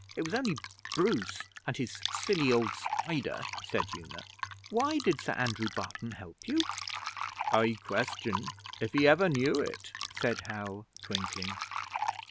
It was only Bruce and his silly old spider,' said Una. 'Why did Sir Andrew Barton help you?' 'I question if he ever knew it,' said Hal, twinkling.